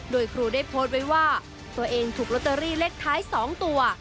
โดยครูได้โพสต์ไว้ว่าตัวเองถูกลอตเตอรี่เลขท้าย๒ตัว